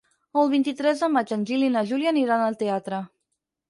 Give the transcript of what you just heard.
El vint-i-tres de maig en Gil i na Júlia aniran al teatre.